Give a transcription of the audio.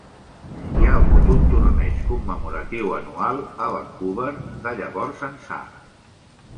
Hi ha hagut un torneig commemoratiu anual a Vancouver de llavors ençà.